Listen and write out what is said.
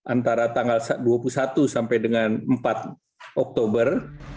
antara tanggal dua puluh satu sampai dengan empat oktober